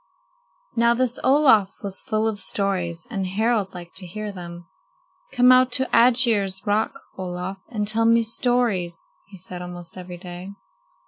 Now this Olaf was full of stories, and Harald liked to hear them. "Come out to Aegir's Rock, Olaf, and tell me stories," he said almost every day.